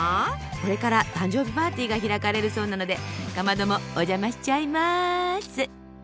これから誕生日パーティーが開かれるそうなのでかまどもお邪魔しちゃいます。